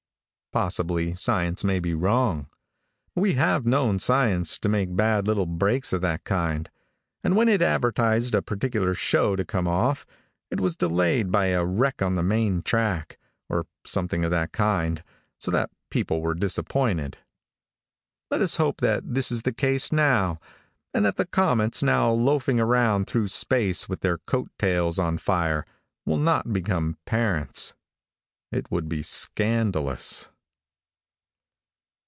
Possibly science may be wrong. We have known science to make bad little breaks of that kind, and when it advertised a particular show to come off, it was delayed by a wreck on the main track, or something of that kind, so that people were disappointed. Let us hope that this is the case now, and that the comets now loafing around through space with their coat tails on fire will not become parents. It would be scandalous.